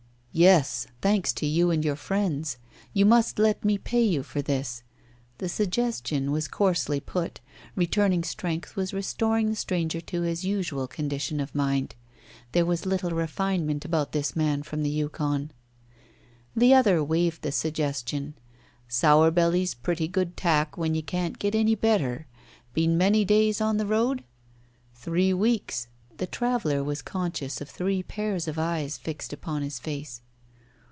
"Yes, thanks to you and your friends. You must let me pay you for this." The suggestion was coarsely put. Returning strength was restoring the stranger to his usual condition of mind. There was little refinement about this man from the Yukon. The other waived the suggestion. "Sour belly's pretty good tack when y' can't get any better. Been many days on the road?" "Three weeks." The traveller was conscious of three pairs of eyes fixed upon his face.